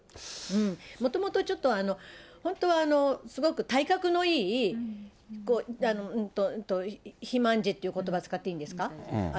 もともとちょっと、本当はすごく体格のいい、肥満児ということば使っていいんですか？